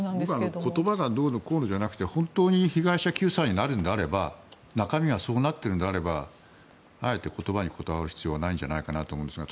僕は言葉がどうのこうのじゃなくて本当に被害者救済になるのであれば中身がそうなっているのであればあえて言葉にこだわる必要はないと思いますが。